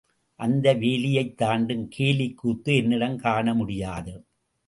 அந்த வேலியைத் தாண்டும் கேலிக் கூத்து என்னிடம் காண முடியாது.